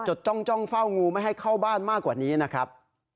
จ้องเฝ้างูไม่ให้เข้าบ้านมากกว่านี้นะครับ